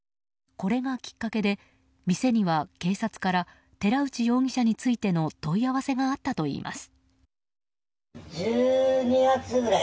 これがきっかけで店には警察から寺内容疑者についての問い合わせがあったといいます。